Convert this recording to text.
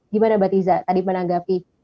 gimana mbak tiza tadi menanggapi